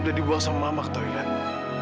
udah dibawa sama mama ke toiletnya